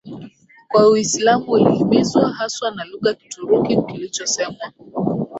kwa Uislamu ulihimizwa haswa na lugha Kituruki kilichosemwa